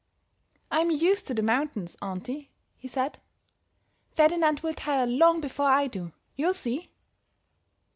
"I am used to the mountains, auntie," he said. "Ferdinand will tire long before I do, you'll see."